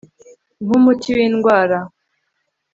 NkU muti wI ndwara